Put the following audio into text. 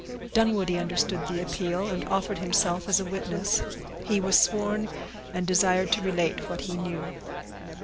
Dunwoodie understood the appeal, and offered himself as a witness. He was sworn, and desired to relate what he knew.